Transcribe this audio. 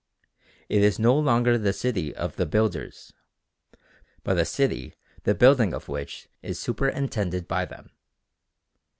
It is no longer the city of the "builders," but a city the building of which is superintended by them.